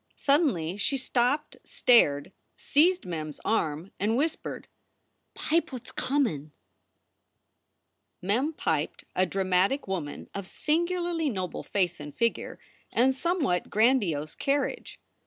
Suddenly she stopped, stared, seized Mem s arm, and whispered, "Pipe what s comin !" Mem piped a dramatic woman of singularly noble face and figure and somewhat grandiose carriage.